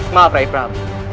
maaf raih prabu